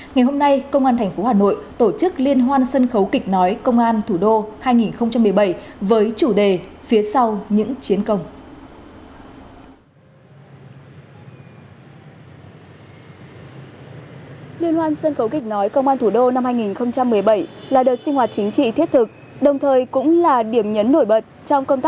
ngày hôm nay công an thành phố hà nội tổ chức liên hoan sân khấu kịch nói công an thủ đô hai nghìn một mươi bảy với chủ đề phía sau những chiến công